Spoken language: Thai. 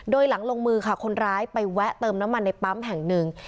โดยหลังลงมือค่ะคนร้ายไปแวะเติมน้ำมันในปั๊มแห่งหนึ่ง